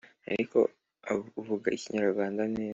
ariko uvuga ikinyarwanda neza